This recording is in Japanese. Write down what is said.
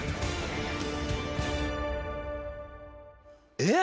えっ？